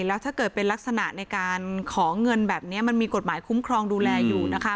แล้วถ้าเกิดเป็นลักษณะในการขอเงินแบบนี้มันมีกฎหมายคุ้มครองดูแลอยู่นะคะ